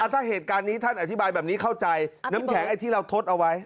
ถ้าเหตุการณ์นี้ท่านอธิบายแบบนี้เข้าใจน้ำแข็งไอ้ที่เราทดเอาไว้